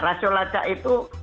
rasio lacak itu